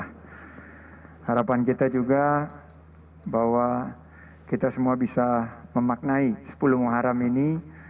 harapan kita juga bahwa kita semua bisa memaknai sepuluh muharam ini